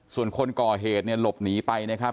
ส่วนคนก่อเหตุเนี่ยหลบหนีไปนะครับ